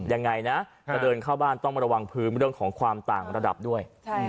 ยังไงนะจะเดินเข้าบ้านต้องมาระวังพื้นเรื่องของความต่างระดับด้วย